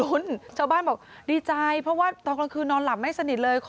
คุณชาวบ้านบอกดีใจเพราะว่าตอนกลางคืนนอนหลับไม่สนิทเลย